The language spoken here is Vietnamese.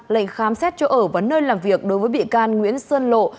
lệnh khám xét chỗ ở và nơi làm việc đối với bị can nguyễn sơn lộ